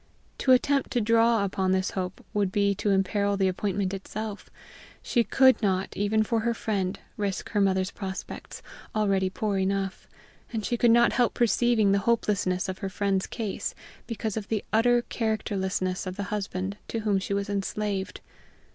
To attempt to draw upon this hope would be to imperil the appointment itself. She could not, even for her friend, risk her mother's prospects, already poor enough; and she could not help perceiving the hopelessness of her friend's case, because of the utter characterlessness of the husband to whom she was enslaved.